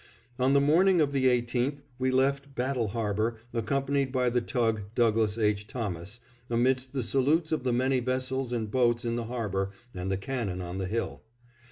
On the morning of the 18th we left Battle Harbor accompanied by the tug Douglas H. Thomas, amidst the salutes of the many vessels and boats in the harbor and the cannon on the hill.